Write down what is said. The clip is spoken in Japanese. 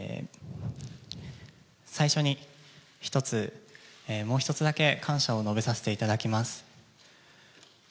最初に一つ、もう一つだけ感謝を述べさせていただきます。